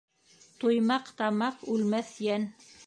Туймаҡ тамаҡ, үлмәҫ йән.